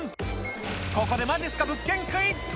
ここでまじっすか物件クイズ。